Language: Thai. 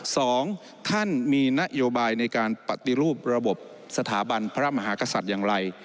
สองท่านมีนโยบายในการปฏิรูประบบสถาบันพระมหากษัตริย์อย่างไร